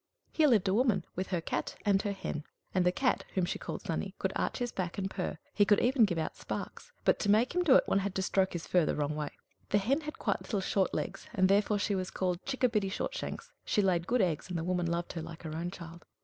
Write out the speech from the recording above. Here lived a woman, with her Cat and her Hen. And the Cat, whom she called Sonnie, could arch his back and purr, he could even give out sparks; but to make him do it one had to stroke his fur the wrong way. The Hen had quite little, short legs, and therefore she was called Chickabiddy Short shanks. She laid good eggs, and the woman loved her like her own child.